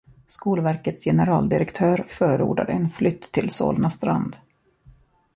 Skolverkets generaldirektör förordade en flytt till Solna strand.